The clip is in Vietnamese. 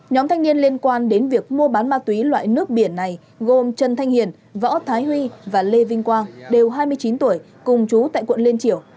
nhóm thanh niên liên quan đến việc mua bán ma túy loại nước biển này gồm trần thanh hiền võ thái huy và lê vinh quang đều hai mươi chín tuổi cùng chú tại quận liên triều